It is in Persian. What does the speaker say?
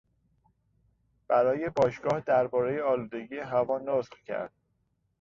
برای باشگاه دربارهی آلودگی هوا نطق کرد.